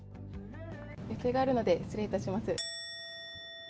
予定があるので失礼いたします。